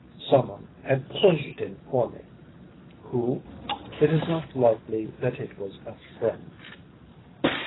Some one had poisoned him for me. Who? It is not likely that it was a friend!